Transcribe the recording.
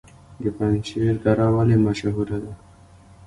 د پنجشیر دره ولې مشهوره ده؟